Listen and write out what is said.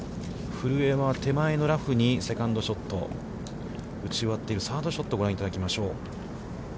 古江は手前のラフにセカンドショット、打ち終わっている、サードショットをご覧いただきましょう。